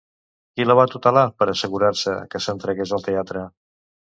Qui la va tutelar per assegurar-se que s'entregués al teatre?